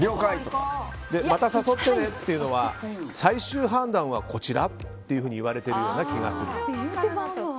また誘ってね！というのは最終判断はこちらと言われているような気がする。